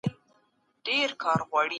یو هوښیار سړی تر نورو خلګو ډیر پوهیږي.